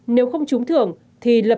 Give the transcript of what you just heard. nếu không trúng thưởng thì lập tức đến lấy lại